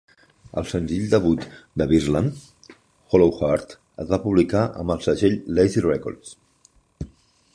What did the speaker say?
El senzill debut de Birdland, "Hollow Heart", es va publicar amb el segell Lazy Records.